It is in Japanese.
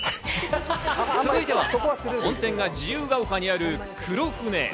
続いては本店が自由が丘にある、黒船。